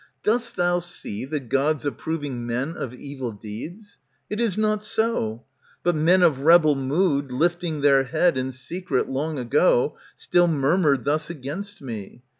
Dost thou see The Gods approving men of evil deeds ? It is not so ; but men of rebel mood, ^' Lifting their head in secret long ago, Still murmured thus against me.